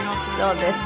そうですか。